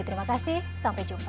terima kasih sampai jumpa